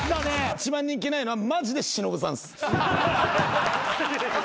一番人気ないのはマジで忍さんです。